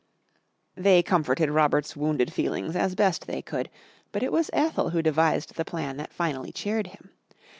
They comforted Robert's wounded feelings as best they could, but it was Ethel who devised the plan that finally cheered him.